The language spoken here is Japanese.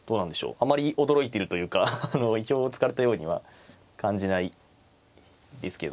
あまり驚いてるというか意表をつかれたようには感じないですけど。